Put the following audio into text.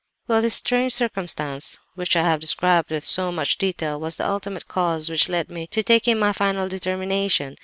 "Well, this strange circumstance—which I have described with so much detail—was the ultimate cause which led me to taking my final determination.